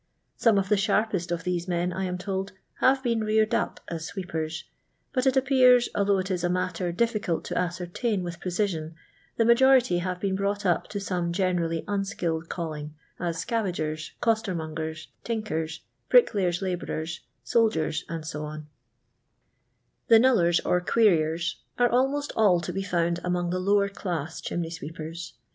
Some of the sharpest of these men, I am told, have been reared up as sweepers ; but it appears, although it is a matter difficult to ascertain with precision, the majority have been brought up to some generally unskilled calling, as scavagers, costermongers, tinkers, bricklayers' labourers, soldiers, &^ The knullers or queriers are almost all to be found among the lower class chimney sweepers.